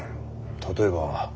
例えば。